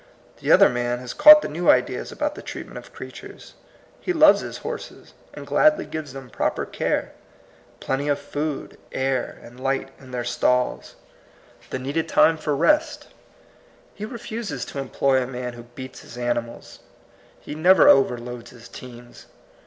The other man has caught the new ideas about the treat ment of creatures. He loves his horses, and gladly gives them proper care, plenty of food, air, and light in their stalls, the CERTAIN CLE An FACTS. 17 needed tiine for rest; he refuses to employ a man who beats his animals; he never overloads his teams.